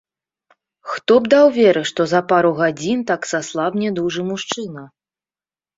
Хто б даў веры, што за пару гадзін так саслабне дужы мужчына?